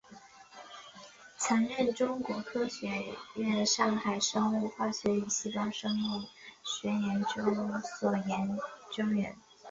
曾任中国科学院上海生物化学与细胞生物学研究所研究员。